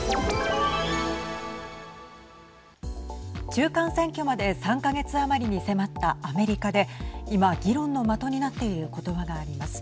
中間選挙まで３か月余りに迫ったアメリカで今、議論の的になっている言葉があります。